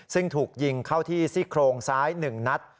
ซึ่งถูกยิงเข้าที่ซี่โครงซ้าย๑นัด